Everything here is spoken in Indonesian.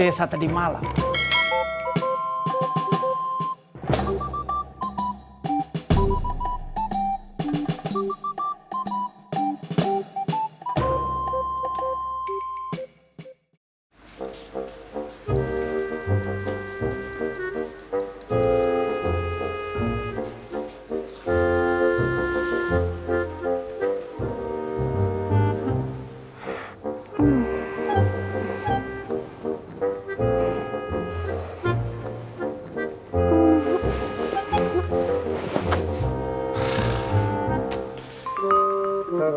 oh euy arah arah nggak